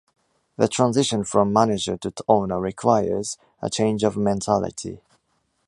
The transition from manager to owner requires a change of mentality.